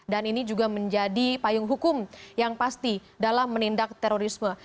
dan ini juga menjadi payung hukum yang pasti dalam menindak terorisme